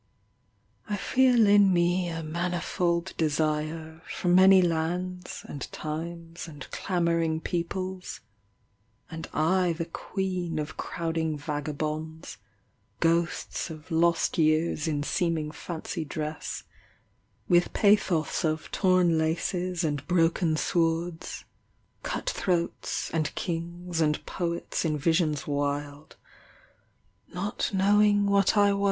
I FEEL in me a manifold desire From many lands and times and clamouring peoples, And I the I Of crowding vagabonds, ists of lost years in seeming fancy dress, With pathos of I »rn Lues And broken swords ; Cut throats and kings and poets In visions wild, not knowing What I v.